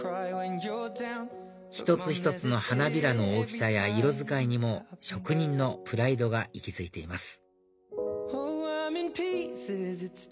一つ一つの花びらの大きさや色使いにも職人のプライドが息づいています